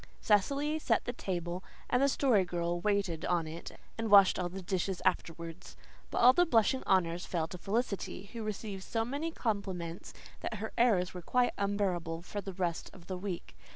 Cecily set the table, and the Story Girl waited on it and washed all the dishes afterwards. But all the blushing honours fell to Felicity, who received so many compliments that her airs were quite unbearable for the rest of the week.